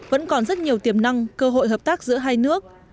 vẫn còn rất nhiều tiềm năng cơ hội hợp tác giữa hai nước